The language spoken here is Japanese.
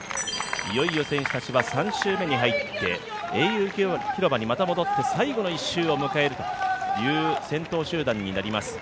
いよいよ選手たちは３周目に入って英雄広場にまた戻って最後の１周を迎えるという先頭集団になります。